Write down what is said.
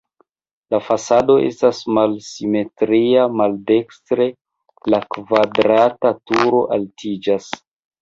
La fasado estas malsimetria, maldekstre la kvadrata turo altiĝas.